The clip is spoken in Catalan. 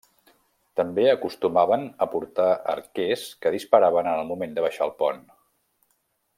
També acostumaven a portar arquers que disparaven en el moment de baixar el pont.